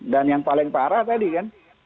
dan yang paling parah tadi kan